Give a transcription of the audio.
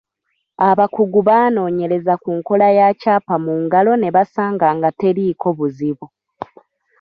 Abakugu baanoonyereza ku nkola ya Kyapa mu Ngalo ne basanga nga teriiko buzibu.